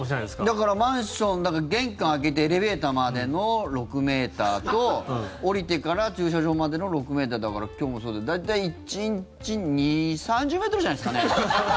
だから、マンション玄関開けてエレベーターまでの６ｍと降りてから駐車場までの６ｍだから今日もそうですけど、大体１日２０３０ｍじゃないですかね。